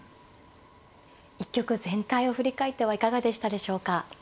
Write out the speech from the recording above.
一局全体を振り返ってはいかがでしたでしょうか。